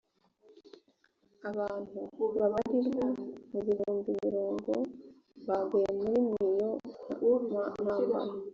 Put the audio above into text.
abantu babarirwa mu bihumbi mirongo baguye murimiyo ntambara